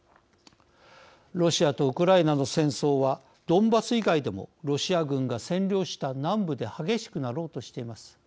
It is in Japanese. ロシアとウクライナの戦争はドンバス以外でもロシア軍が占領した南部で激しくなろうとしています。